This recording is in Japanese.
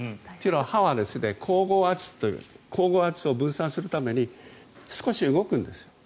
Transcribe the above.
歯は咬合圧というのを分散するために少し動くんです。